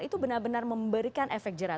itu benar benar memberikan efek jerah